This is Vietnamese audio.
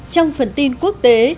trong phần tin quốc tế